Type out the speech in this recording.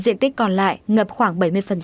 diện tích còn lại ngập khoảng bảy mươi